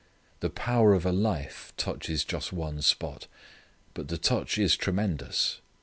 The power of a life touches just one spot, but the touch is tremendous.